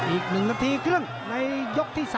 อีก๑นาทีครึ่งในยกที่๓